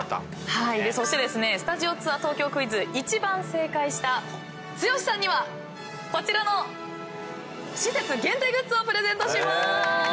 そしてスタジオツアー東京クイズ一番正解した剛さんにはこちらの施設限定グッズをプレゼントしまーす。